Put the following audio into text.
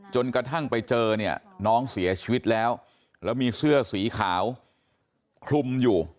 จนกระทั่งไปเจอเนี่ยน้องเสียชีวิตแล้วแล้วมีเสื้อสีขาวคลุมอยู่